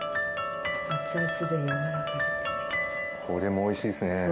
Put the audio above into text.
これもおいしいですね。